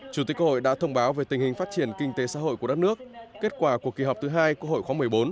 chủ tịch hội đã thông báo về tình hình phát triển kinh tế xã hội của đất nước kết quả của kỳ họp thứ hai quốc hội khóa một mươi bốn